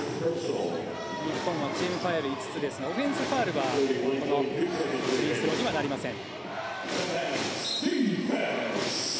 日本はチームファウル５つですがオフェンスファウルはフリースローにはなりません。